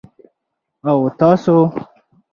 _او تاسو؟